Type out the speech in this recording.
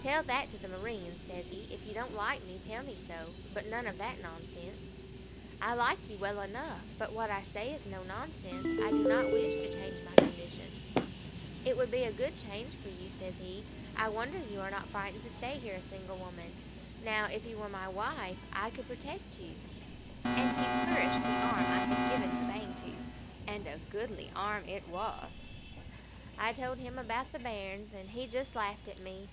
"'Tell that to the marines,' says he. 'If you don't like me, tell me so; but none of that nonsense.' "'I like you well enough; but what I say is no nonsense. I do not wish to change my condition.' "'It would be a good change for you,' says he. 'I wonder you are not frightened to stay here a single woman. Now, if you were my wife, I could protect you;' and he flourished the arm I had given the bang to and a goodly arm it was. "I told him about the bairns, and he just laughed at me.